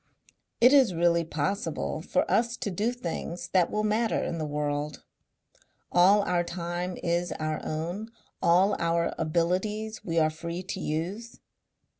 It is really possible for us to do things that will matter in the world. All our time is our own; all our abilities we are free to use.